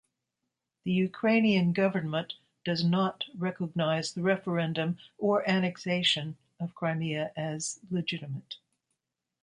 The Ukrainian government does not recognize the referendum or annexation of Crimea as legitimate.